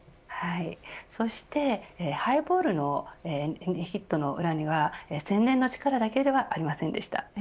そして、ハイボールのヒットの裏には宣伝の力だけではありませんでした。